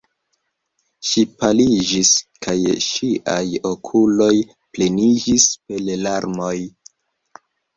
Ŝi paliĝis, kaj ŝiaj okuloj pleniĝis per larmoj.